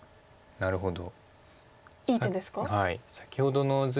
なるほど。